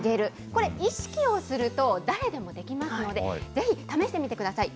これ、意識をすると誰でもできますので、ぜひ試してみてください。